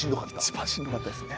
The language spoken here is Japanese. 一番しんどかったですね。